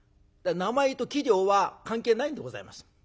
名前と器量は関係ないんでございます。